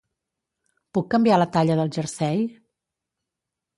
Puc canviar la talla del jersei?